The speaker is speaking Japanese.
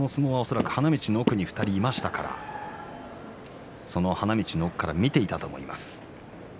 花道の奥に２人はいましたので花道の奥から見ていたと思います。